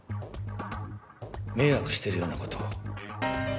迷惑してるような事を。